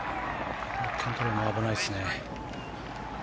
キャントレーも危ないですね。